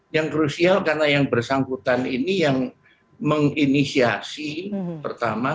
yang krusial karena yang bersangkutan ini yang menginisiasi pertama